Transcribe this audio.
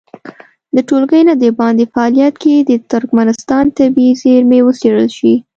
د ټولګي نه د باندې فعالیت کې دې د ترکمنستان طبیعي زېرمې وڅېړل شي.